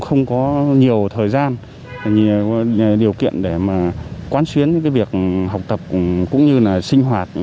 không kịp thời giải cứu các bé gái